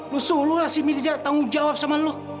lu suruh lah si mirza tanggung jawab sama lu